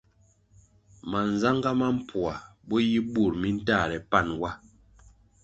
Manzagá ma mpoa bo yi bur mi ntahre pan wa.